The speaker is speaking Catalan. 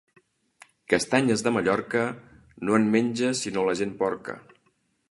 Castanyes de Mallorca, no en menja sinó la gent porca.